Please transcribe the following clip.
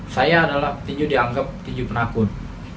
saya adalah tinju dianggap tinju penakut